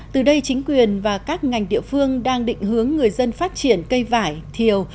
từ đây chính quyền và các ngành địa phương đang định hướng người dân phát triển cây vải thiều